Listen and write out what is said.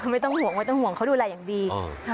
ไม่ต้องห่วงเขาดูอะไรอย่างดี